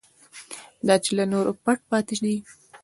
دا چې له نورو پټ پاتې دی.